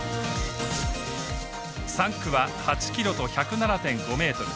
３区は、８ｋｍと１０７．５ｍ。